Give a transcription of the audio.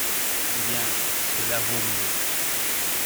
Eh bien ! cela vaut mieux.